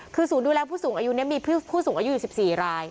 คือศูนย์ดูแลผู้สูงอายุนี้มีผู้สูงอายุอยู่๑๔ราย